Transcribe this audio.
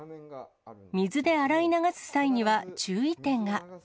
水で洗い流す際には、注意点が。